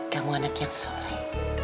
kamu anak yang soleh